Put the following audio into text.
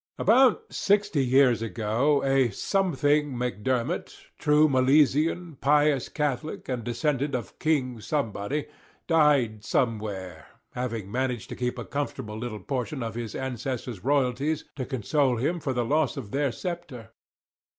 About sixty years ago, a something Macdermot, true Milesian, pious Catholic, and descendant of king somebody, died somewhere, having managed to keep a comfortable little portion of his ancestors' royalties to console him for the loss of their sceptre.